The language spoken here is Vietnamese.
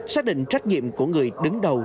xác định trách nhiệm của người đứng đầu